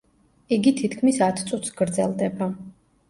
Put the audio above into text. იგი თითქმის ათ წუთს გრძელდება.